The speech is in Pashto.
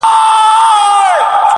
یو په یو یې ور حساب کړله ظلمونه!!